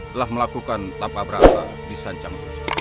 telah melakukan tapak berapa di sancang